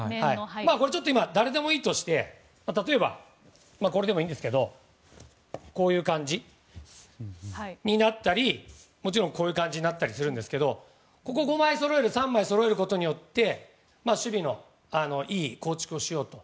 これ、今、誰でもいいとして例えば、こういう感じになったりもちろんこういう感じになったりするんですけどここ、５枚そろえる３枚そろえることによって守備のいい構築をしようと。